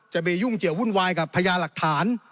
ไปยุ่งเกี่ยววุ่นวายกับพญาหลักฐาน